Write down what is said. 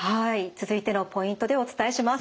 続いてのポイントでお伝えします。